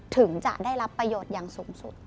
ถึงจะได้รับประโยชน์อย่างสูงสุด